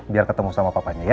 biar ketemu sama papanya ya